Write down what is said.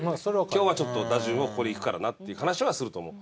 今日はちょっと打順をここでいくからなっていう話はすると思う。